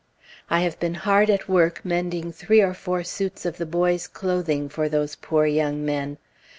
I have been hard at work mending three or four suits of the boys' clothing for those poor young men.